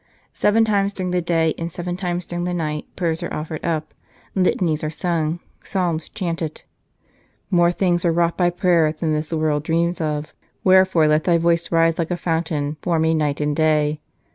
Seven times during the day and seven times during the night prayers are offered up, litanies are sung, psalms chanted. " More things are wrought by prayer Than this world dreams of. Wherefore, let thy voice Rise like a fountain for me night and day."